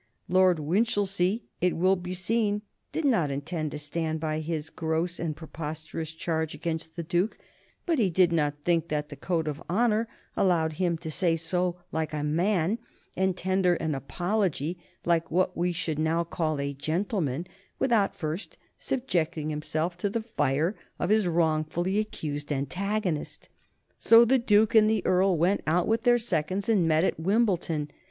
Lord Winchilsea, it will be seen, did not intend to stand by his gross and preposterous charge against the Duke, but he did not think that the code of honor allowed him to say so like a man, and tender an apology like what we should now call a gentleman, without first subjecting himself to the fire of his wrongfully accused antagonist. So the Duke and the Earl went out with their seconds and met at Wimbledon.